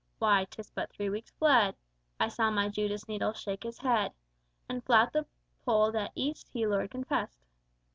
Why, 'tis but three weeks fled I saw my Judas needle shake his head And flout the Pole that, East, he Lord confessed!